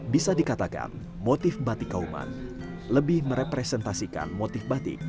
bisa dikatakan motif batik kauman lebih merepresentasikan motif batik